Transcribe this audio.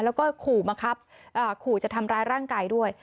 แล้วก็ขู่มาครับขู่จะทำร้ายร่างกายด้วย